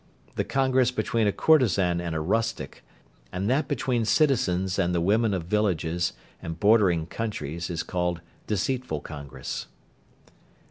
The congress between a courtezan and a rustic, and that between citizens and the women of villages, and bordering countries, is called, "deceitful congress."